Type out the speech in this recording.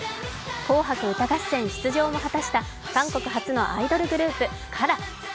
「紅白歌合戦」出場も果たした韓国発のアイドルグループ・ＫＡＲＡ。